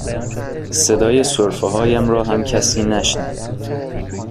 صدای سرفه هایم را هم کسی نشنید